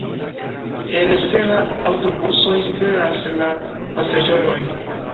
En Serra aŭtobusoj liveras la pasaĝerojn.